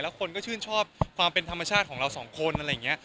คนก็ชื่นชอบความเป็นธรรมชาติของเราสองคนอะไรอย่างนี้